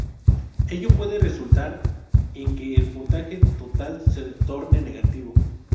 Ello puede resultar en que el puntaje total se torne negativo.